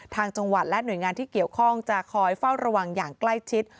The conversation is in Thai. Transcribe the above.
ทางจังหวัดและหน่วยงานที่เกี่ยวข้องจะคอยเฝ้าระวังอย่างใกล้ชิด